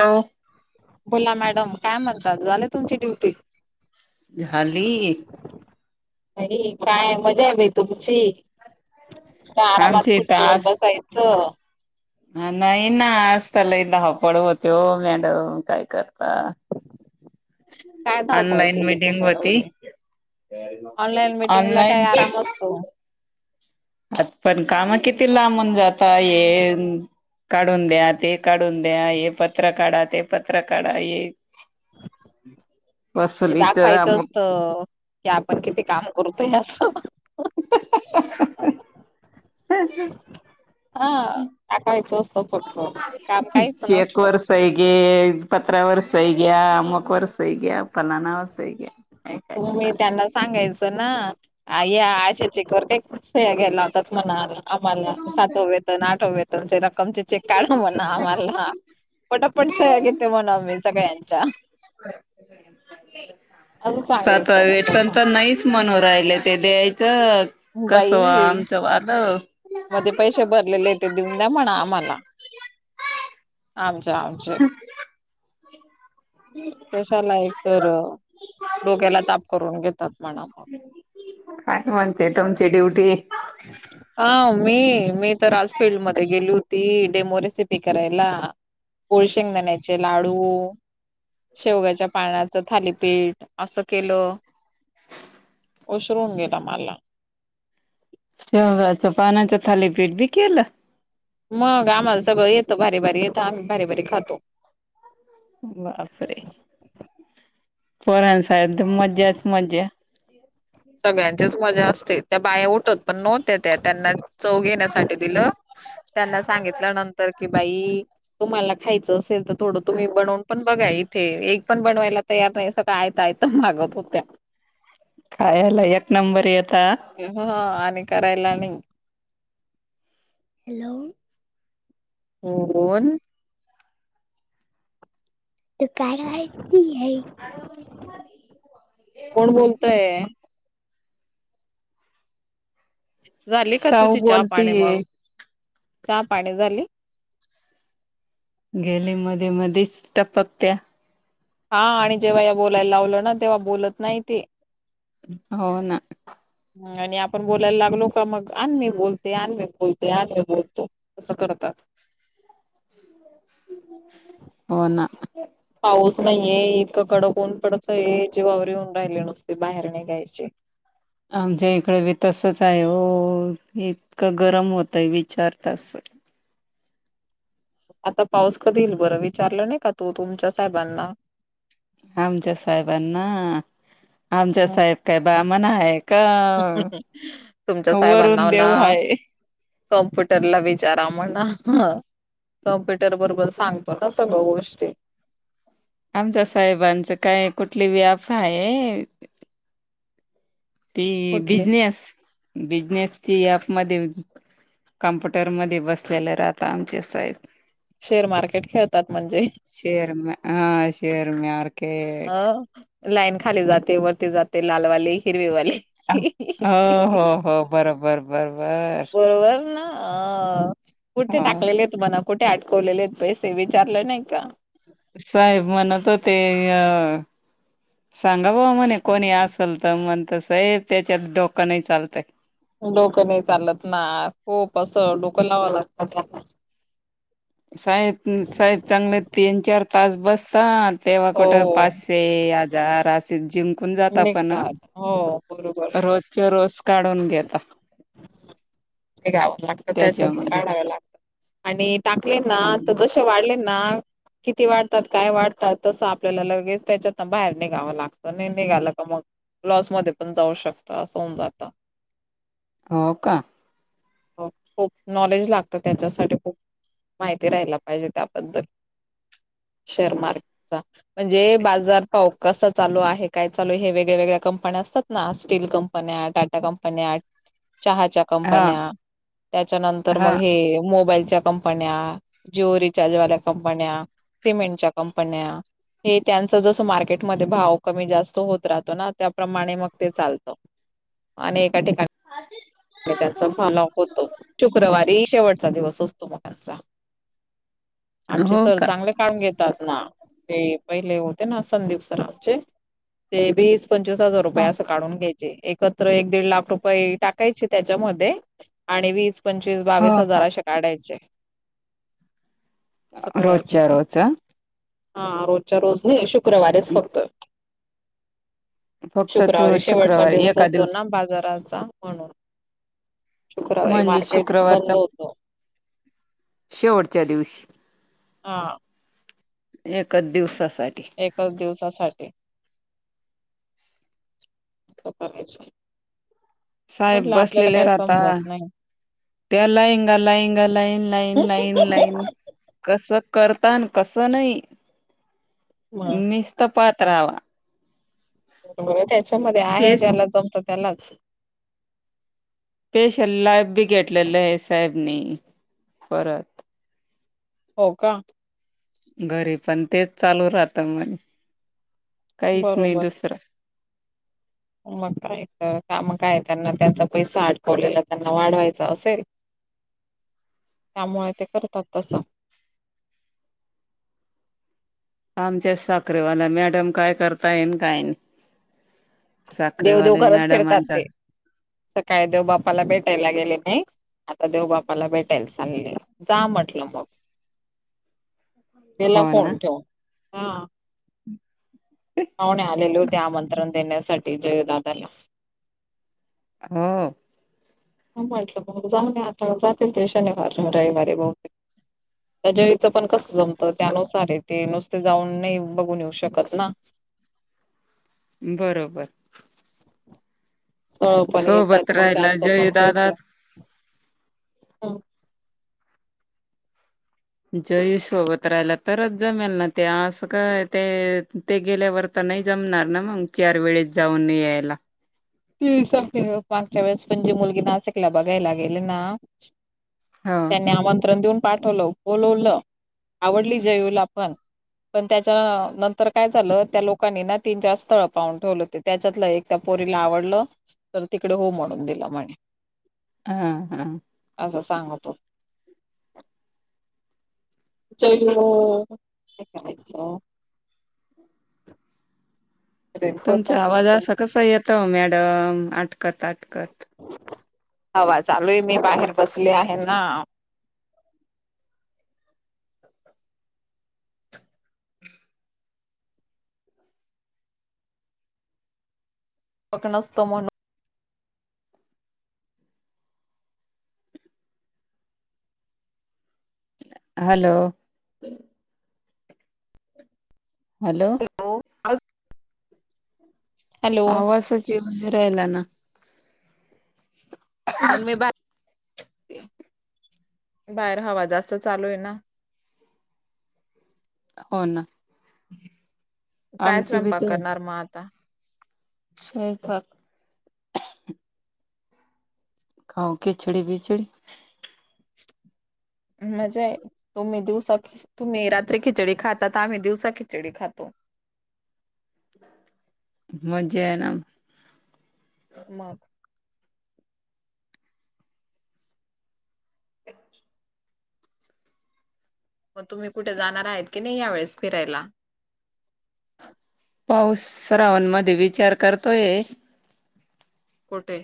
Hello. बोला madam काय म्हणतात, झाले तुमची ड्युटी? झाली. आणि काय मजा आहे बाई तुमची. नुसतं आरामात आमची कुढची वर बसायचं. ह नाही ना, अस त्याला एक दहापळ होते हो मॅडम काय करता. काय धावपळ ऑनलाईन केली मिटिंग तुम्ही होती एवढी, ऑनलाईन मिटिंगला काही ऑनलाईन आराम असतो. आता पण काम किती लांबून जाता ये. काढून द्या, ते काढून द्या हे पत्र काढा, ते पत्र काढा ये ते बसलीच दाखवायचं मग. असतं की, आपण किती काम करतोय असं. [unintelligible] ह. टाकायच असतं फक्त. काम काहीच चेक नसतं. वर सही घे. पत्रावर सही घ्या. अम्मक वर सही घ्या. फलानावर सही घ्या. काय काय तुम्ही राहतय त्यांना सांगायचं ना. या आशा चेकवर काय सह्या घ्यायला लावतात म्हणाला आम्हाला. सातववेतन, आठववेतन रक्मचे चेक काढा म्हणा आम्हाला. पटापट सह्या घेते म्हणा मी सगळ्यांच्या. असं सातव सांगायचं वेतन त्यांना. त नाहीच म्हनून राहिल ते द्यायचं. कसं व्हाव आमचं वाल. म ते पैसे भरलेलेय ते देऊन द्या म्हणा आम्हाला. आमचे आमचे. [inaudible] कशाला एक तर डोक्याला ताप करून घेतात म्हना मग. काय म्हणते तुमची ड्युटी? अ मी मी तर आज फील्डमध्ये गेली होती. डेमो रेसिपी करायला. गुळ शेंगदाण्याचे लाडू. शेवग्याच्या पाण्याचं थालीपीठ. असं केलं. उशिर होऊन गेला माला. शेवग्याच्या पानाचं थालीपीठ बी केलं? म आम्हाला सगळं येतं. भारी भारी येतं. आम्ही भारी भारी खातो. बापरे. पोरान साद मज्जाच मज्जा. सगळ्यांचीच मजा असते. त्या बाया उठत पण नव्हत्या. त्या त्यांना चव घेण्यासाठी दिलं. त्यांना सांगितल नंतर कि बाई तुम्हाला खायचं असेल तर थोडं तुम्ही बनवून पण बघा इथे. एक पण बनवायला तयार नाही. सगळं आयत आयत मागत होत्या. खायाला एक नंबर येता. ह. आणि करायला नाही. हॅलो. कोन? तू काय आईकतीहे? कोण बोलतय? झाली का साऊ तुझी चहा पाणी बोलतीय मग, चहा पाणी झाली? गेले मध्ये मध्येच टपकत्या. हा आणि जेव्हा या बोलायला लावलं ना, तेव्हा बोलत नाही ती. हो ना. ह आणि आपण बोलायला लागलो का, मग आण् मी बोलते. आण् मी बोलते. आ्ण मी बोलते. असं करतात. हो ना. पाऊस नाहीये. इतकं कडकऊन पडतंय. जेवा्वर येऊन राहिले नुसते बाहेर निघ्यायचे. आमच्या इकडे बी तसच आहे हो. इतकं गरम होतय विचारता स आता पाऊस कधी येईल बरं. विचारलं नाही का तू तुमच्या साहेबांना? आमच्या साहेबांना, आमचे साहेब काय बामण हाय? तुमच्या साहेबांना वरून म्हणा देव आहे. कम्प्युटरला विचारा म्हणा. कम्प्युटर बरोबर सांगतो ना, सगळं गोष्टी. आमच्या साहेबांचं काय, कुठली ॲफ हायेत. ती कुठले बिजनेस बिजनेसची ॲफ मध्ये काम्प्युटर मधे बसलेले राहता आमचे साहेब. शेअर मार्केट खेळतात म्हणजे. शर म ह शरम अ लाईन खाली जाते वरती जाते लालवाले हिरवेवाले. हो हो हो बरोबर बरोबर परवल ना? अ कुठे हो. टाकलेले आहेत म्हणा कुठे अटकवलेले आहेत पैसे विचारले नाही का? साहेब म्हणत होते अ सांगा ब म्हणे कोणी असल त म्हणत साहेब त्याच्यात डोकं नाही चालतय. डोकं नाही चालत ना खूप असं डोकं लावां लागतात त्या साहेब साहेब चांगले तीन चार तास बसता तेव्हा हो कुठं पास ते आजार असे जिंकून जात पण निघतात हो बरोबर रोजच्या रोज. काढून घेता. ते गावां लागत त्याच त्याच्यामध्ये काढाव लागतं. आणि टाकले ना त हम्म जशे वाढले ना किती वाढतात काय वाढतात तसं आपल्याला लगेच त्याच्यातन बाहेर निघावं लागतं आणि निघालं का मग लॉसमध्ये पण जाऊ शकता असं होऊन जात. हो का? हो खूप नॉलेज लागतं त्याच्यासाठी खूप माहिती राहाला पाहिजे त्याबद्दल शेअर मार्केटचा म्हणजे श- बाजार हो कसं चालू आहे काय चालू हे वेगळ्या वेगळ्या कंपन्या असतात ना स्टील कंपन्या टाटा कंपन्या चहाच्या हा कंपन्या त्याच्यानंतर हा मग हे मोबाईलच्या कंप पन्या जिओ रिचार्ज वाल्या कंपन्या सिमेंटच्या कंपन्या हे त्यांचं जस मार्केटमध्ये भाव कमी जास्त होत राहतो ना त्याप्रमाणे मग ते चालतं. आणि एका ठिकाणी [inaudible] त्याचा फॉल होतो शुक्रवा शेवटचा दिवस असतोचा त्यांचा आमचे सर चांगले का घेतात ना ते पहिले होते ना संदीप सर आमचे ते वीस पंचवीस हजार रुपये हा अस काढून घ्यायचे एकत्र एक दिड लाख रुपये टा कायचे त्याच्यामध्ये आणि वीस पंचवीस हो बावीस हा हजाराशे काढायचे. अस करायचे रोजच्या ते रोज हं? हा रोजच्या रोज नाही शु क्रवारीेच फक्त. फक्त तू शुक्रवारी शेवटचा शुक्रवार दिवस एका असतो ना बाजाराचा. म्हणून शुक्रवारी म्हणजे मार्केट शुक्रवारचा बंद होत. शेवटच्या दिवशी. हां. एका दिवसासाठी. एकच दिवसासाठी अस करायचे. साहेब म्हटलं आपल्याला बसलेले काय राहता. समजत नाही त्या लाईंगा लाईंगा लाईन लाईन लाईन लाईन कसं करता आणि कसं नाही मग निस्तपात राहावा. त्याच्यामध्ये आहे फेस ज्याला जमत त्यालाच. पेश लाइफ बी घेतलेले आहे साहेबनी परत. हो का. घरी पण तेच चालू राहत म्हण काहीच नाही बरोबर दुसर. मग काय तर, का मग काय त्यांना त्यांचा पैसा अडकवलेला त्यांना वाढवायचं असेल? [inaudible] त्यामुळे ते करतात तसं. आमच्याच साखरेवाला मॅडम काय करता येन काय नाही. देवदेव साखरेवाले करत फिरतात मॅडमचा- ते सकाळी देव बापाला भेटायला गेले नाही. आता देव बाप्पाला भेटायला चालले, जा म्हटलं मग. देला हो ना फोन ठेवून. हं. हा ना, आलेलो ते आमंत्रण देण्यासाठी जय दादाला. हो. वाटलं ब [unintelligible] जाऊन आता जातील शनिवारी, रविवारी बहुतेक. [inaudible] त्याच्या आईचं पण कसं जमतं, त्यानुसार येते नुसते जाऊन नाही बघून येऊ शकत ना? बरोबर. स्थळ पण येतात, सोबत मग राहिला त्यांचं पण जय तेच दादा आहे. हं. जयु सोबत राहिला तरच जमेल ना ते, असं काय ते- ते गेल्यावर तर नाही जमणार ना मग, चार वेळेस जाऊन यायला. तेच सांगते ना, मागच्या वेळेस पण जी मुलगी नाशिकला बघायला गेले ना- हो त्यांनी आमंत्रण देऊन पाठवलं, बोलवलं, आवडली जयूला पण- पण त्याच्या नंतर काय झालं, त्या लोकांनी ना तीन, चार स [unintelligible] पाहून ठेवली होतीत. त्याच्यातलं एक त्या पोरीला आवडलं, तर तिकडे हो म्हणून दिलं म्हणे. हा, हा. असं सांगतो. [inaudible] चलो, काय करायचं? तुमचा आवाज असा कसा येतोय ओ, मॅडम आटकत-आटकत. [inaudible] हवा चालूय, मी बाहेर बसली आहे ना? [unintelligible] हॅलो? हॅलो? हॅलो आवाजच येवु नाही राहिला ना? म्हणून मी बा [inaudible] बाहेर हवा जास्त चालू आहे ना. हो ना. काय आमची बी स्वयंपाक तर करणार मग आता? स्वयंपाक. खाऊ खिचडी- बिचडी. मजा आहे. तुम्ही दिवसा खि- तुम्ही रात्री खिचडी खातात, आम्ही दिवसा खिचडी खातो. मज्जा आहे ना. मग. मग तुम्ही कुठे जाणार आहेत की, नाही यावेेळेस फिरायला? पाऊस, श्रावणमध्ये विचार करतोय? कोठे?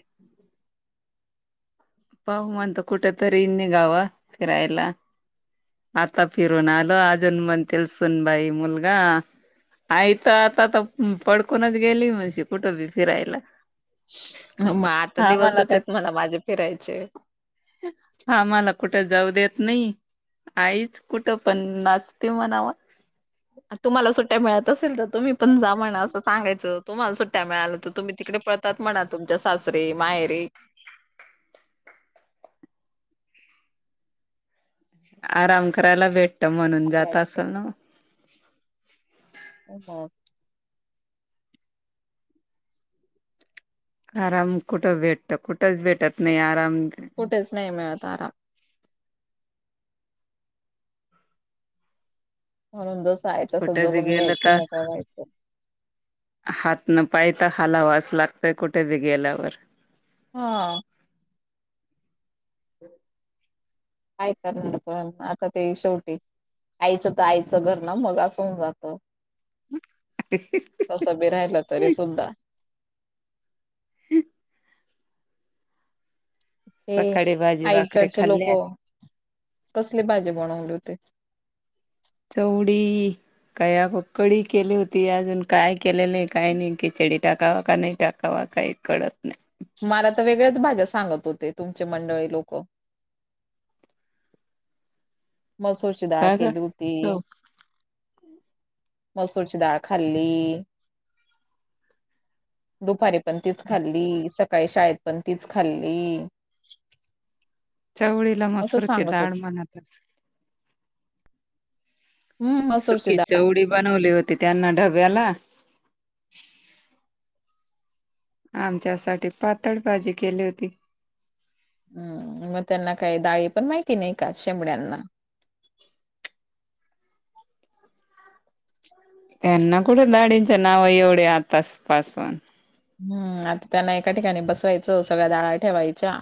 पाहु म्हणतो, कुठ तरी निघावं फिरायला? आता फिरुन आलो‌, अजून म्हणतील सुनबाई मुलगा- आई तर आता तर पडकूनच गेली, म्हणशी कुठंबी फिरायला. [inaudible] मग आता हा मला दिवसच आहेत म्हणा, माझे फिरायचे. आम्हाला कुठे जाऊ देत नाही. आईच कुठं पण नाचते म्हणावं. तुम्हाला सुट्ट्या मिळत असेल त तुम्ही पण जा म्हणा. असं सांगयचं. तुम्हाला सुट्ट्या मिळाल्यात तुम्ही तिकड पळतात म्हणा. तुमच्या सासरी माहेरी. आराम करायला भेटत. म्हणून जात असल ना. हो ह [unintelligible] आराम कुठं भेटत. कुठंच भेटत नाही आराम. कुठेच नाही मिळत आराम. म्हणून जस आहे तसं कुठे बी जगून गेलं घ्यायचं, तर मोकळ व्हायचं. हात न पाय त हलावाच लागतय, कुठे बी गेल्यावर. हा. काय करणार पण, आता ते शेवटी आईचं त आईचं घर ना मग, अस होऊन जातं. [inaudible] कीती बी राहिल तरी सुद्धा. ह [inaudible] ते सकाळी भाजी आई भाकरी कडचे लोक, खाल्ली कसली भाजी बनवली होती? चवडी. काय कडी केली होती. अजून काय केलेलंय काय नाही. खिचडी टाकावा का नाही टाकावा काही कळत नाही. मला त वेगळ्याच भाज्या सांगत होते. तुमचे मंडळी लोक. मसूरची डाळ का ग केली होती. चव मसूरची डाळ खाल्ली. दुपारी पण तीच खाल्ली. सकाळी शाळेत पण तीच खाल्ली. चवळीला असं मसुरची सांगत होत डाळ म्हणत असल. हम्म मसूरची सुकी डाळ चवळी बनवली होती त्यांना डब्याला. [inaudible] आमच्यासाठी पातळ भाजी केली होती. हम्म मग त्यांना काय डाळी पण माहिती नाही का? शेमड्यांना? त्यांना कुठं दाळीचे नाव एवढे आताच पासुन. हम्म आता त्यांना एका ठिकाणी बसवायचं. सगळ्या डाळ्या ठेवायच्या.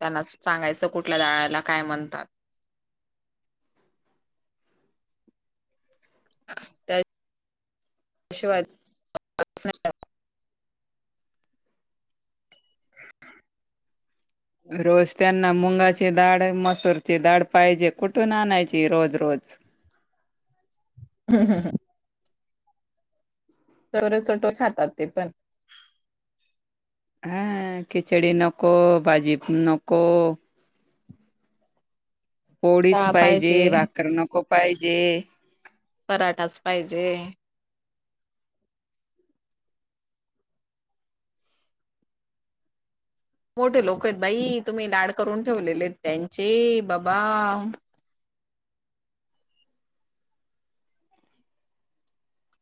त्यांना अस सांगायचं कुठल्या दाळीला काय म्हणतात. त्या शिवाय रोज त्यांना मुंगाची दाळ मसूरची दाळ पाहिजे. कुठून आणायची रोज रोज. हम हं ह [unintelligible] चर चटो खातात ते पण. ह खिचडी नको. भाजी नको. पोळीस पाहिजे. भाकर नको पाहिजे. पराठाच पाहिजे. मोठे लोकयेत बाई. तुम्ही लाड करून ठेवलेलेयेत त्यांचे बाबा.